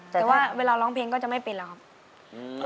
แต่ว่าเวลาร้องเพลงก็จะไม่เป็นแล้วครับ